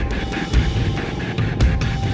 tidak ada apa apa